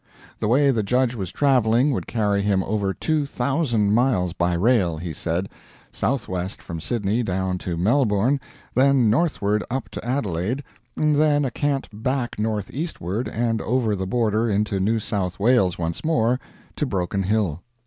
The way the Judge was traveling would carry him over 2,000 miles by rail, he said; southwest from Sydney down to Melbourne, then northward up to Adelaide, then a cant back northeastward and over the border into New South Wales once more to Broken Hill.